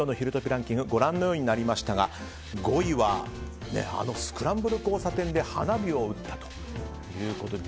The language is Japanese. ランキングご覧のようになりましたが５位は、スクランブル交差点で花火を打ったということで。